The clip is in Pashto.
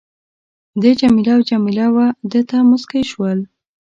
ده جميله او جميله وه ده ته مسکی شول.